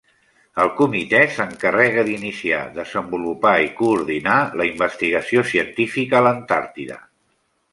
El Comitè s'encarrega d'iniciar, desenvolupar i coordinar la investigació científica a l'Antàrtida.